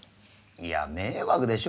いや迷惑でしょ？